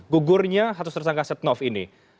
gugurnya satu serta kak setnov ini